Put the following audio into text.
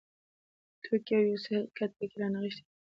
ټوکې او یو څه حقیقت پکې رانغښتی دی.